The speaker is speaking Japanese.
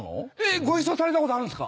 ご一緒されたことあるんですか？